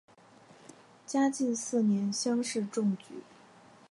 嘉靖四年乡试中举。